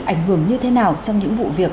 ảnh hưởng như thế nào trong những vụ việc